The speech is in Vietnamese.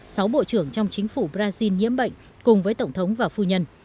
sáu bộ trưởng trong chính phủ brazil nhiễm bệnh cùng với tổng thống và phu nhân